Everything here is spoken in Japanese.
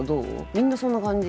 みんなそんな感じ？